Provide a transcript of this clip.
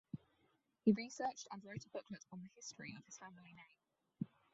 He researched and wrote a booklet on the history of his family name.